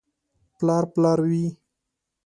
• پلار پلار وي.